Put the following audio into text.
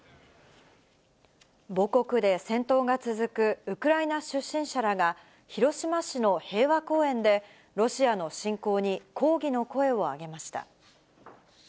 母国で戦闘が続くウクライナ出身者らが、広島市の平和公園で、ロシアの侵攻に抗議の声を上げました。